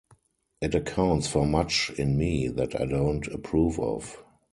It accounts for much in me that I don't approve of.